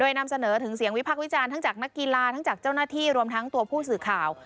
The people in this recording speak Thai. นำเสนอถึงเสียงวิพักษ์วิจารณ์ทั้งจากนักกีฬาทั้งจากเจ้าหน้าที่รวมทั้งตัวผู้สื่อข่าว